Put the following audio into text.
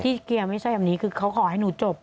เกียร์ไม่ใช่แบบนี้คือเขาขอให้หนูจบ